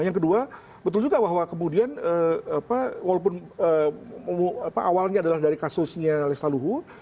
yang kedua betul juga bahwa kemudian walaupun awalnya adalah dari kasusnya lestaluhu